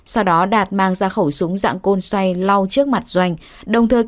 sau đó đạt mang ra khẩu súng dạng côn xoay lau trước mặt doanh